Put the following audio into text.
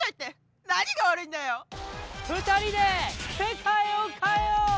２人で世界を変えよう！